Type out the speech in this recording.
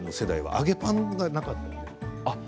揚げパンがなかった？